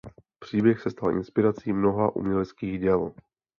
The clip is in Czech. Příběh se stal inspirací mnoha uměleckých děl.